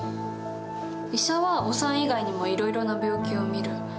医者はお産以外にもいろいろな病気を診る。